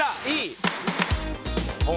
いい。